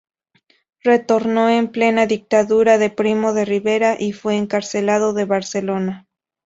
Retornó en plena Dictadura de Primo de Rivera y fue encarcelado en Barcelona.